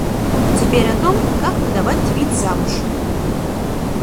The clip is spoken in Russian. Теперь о том, как выдавать девиц замуж.